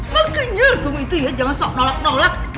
ngekenyur kamu itu ya jangan sok nolak nolak